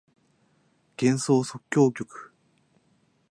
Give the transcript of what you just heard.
幻想即興曲